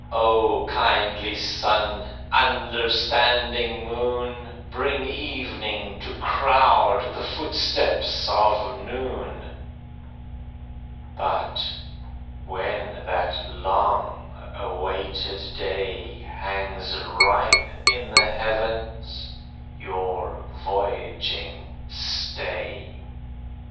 O Kindly Sun! Understanding Moon! Bring evening to crowd the footsteps of noon. But when that long awaited day Hangs ripe in the heavens, your voyaging stay.